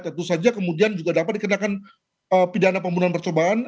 tentu saja kemudian juga dapat dikenakan pidana pembunuhan percobaan